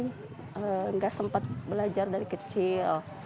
tidak sempat belajar dari kecil